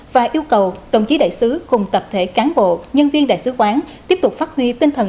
và yêu cầu đồng chí đại sứ cùng tập thể cán bộ nhân viên đại sứ quán tiếp tục phát huy tinh thần